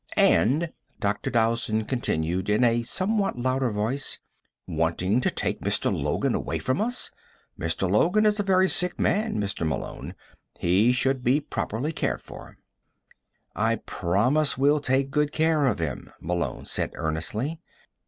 "And," Dr. Dowson continued in a somewhat louder voice, "wanting to take Mr. Logan away from us. Mr. Logan is a very sick man, Mr. Malone. He should be properly cared for." "I promise we'll take good care of him." Malone said earnestly.